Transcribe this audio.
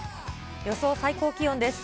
予想最高気温です。